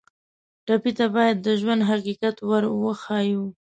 ټپي ته باید د ژوند حقیقت ور وښیو.